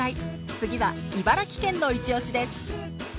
次は茨城県のイチオシです。